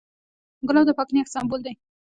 ګلاب د پاک نیت سمبول دی.